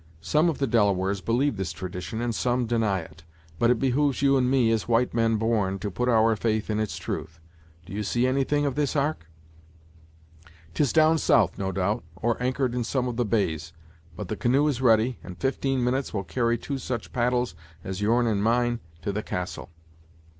Some of the Delawares believe this tradition, and some deny it; but it behooves you and me, as white men born, to put our faith in its truth. Do you see anything of this ark?" "'Tis down south, no doubt, or anchored in some of the bays. But the canoe is ready, and fifteen minutes will carry two such paddles as your'n and mine to the castle."